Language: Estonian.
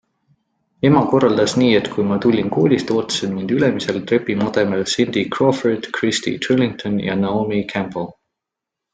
Ema korraldas nii, et kui ma tulin koolist, ootasid mind ülemisel trepimademel Cindy Crawford, Christy Turlington ja Naomi Campbell.